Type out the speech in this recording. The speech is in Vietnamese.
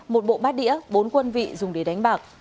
một bộ bát đĩa bốn quân vị dùng để đánh bạc